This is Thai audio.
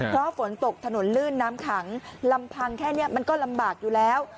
เพราะฝนตกถนนลื่นน้ำขังลำพังแค่นี้มันก็ลำบากอยู่แล้ว